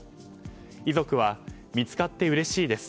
遺族は、見つかってうれしいです